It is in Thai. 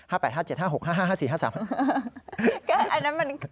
อันนั้นมัน